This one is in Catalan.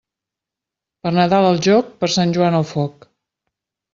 Per Nadal al jóc, per Sant Joan al foc.